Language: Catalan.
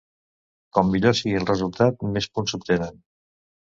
Com millor sigui el resultat més punts s'obtenen.